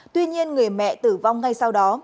tuy nhiên người mẹ tử vong ngay sau đó